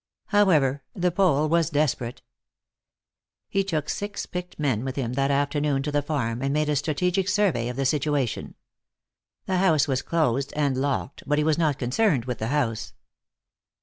However, the Pole was desperate. He took six picked men with him that afternoon to the farm, and made a strategic survey of the situation. The house was closed and locked, but he was not concerned with the house.